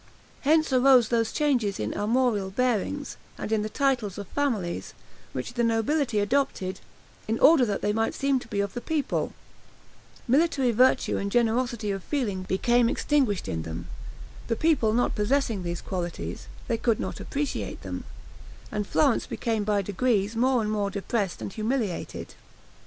Hence arose those changes in armorial bearings, and in the titles of families, which the nobility adopted, in order that they might seem to be of the people; military virtue and generosity of feeling became extinguished in them; the people not possessing these qualities, they could not appreciate them, and Florence became by degrees more and more depressed and humiliated.